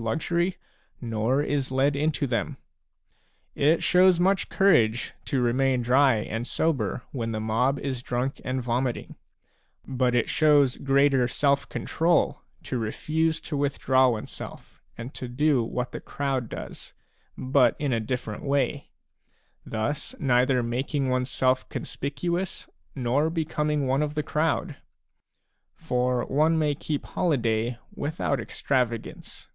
118 Digitized by EPISTLE XVIII. more courage to remain dry and sober when the mob is drunk and vomiting; but it shows greater self control to refuse to withdraw oneself and to do what the crowd does, but in a different way, — thus neither making oneself conspicuous nor becoming one of the crowd. For one may keep holiday without extravagance.